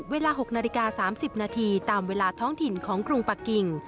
เวลา๖นาฬิกา๓๐นาทีตามเวลาท้องถิ่นของกรุงปะกิ่ง